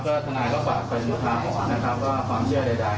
ก็ทนายเข้าปากเป็นยุทธาหรอนะครับก็ความเชื่อใดนะครับ